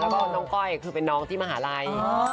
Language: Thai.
แล้วก็น้องก้อยคือเป็นน้องที่มหาลัย